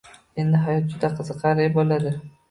— Endi hayot juda qiziqarli bo‘ladi!